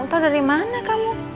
tahu dari mana kamu